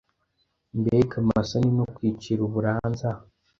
Mbega amasoni no kwicira uburanza.